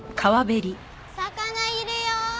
魚いるよ！